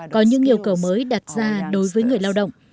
có những yêu cầu mới đặt ra đối với người lao động